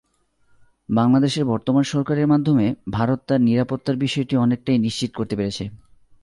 বাংলাদেশের বর্তমান সরকারের মাধ্যমে ভারত তার নিরাপত্তার বিষয়টি অনেকটাই নিশ্চিত করতে পেরেছে।